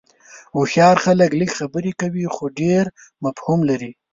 هوښیار خلک لږ خبرې کوي خو ډېر مفهوم لري.